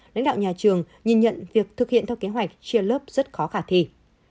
lãnh đạo nhà trường nhìn nhận việc thực hiện theo kế hoạch chia lớp rất khó khả thi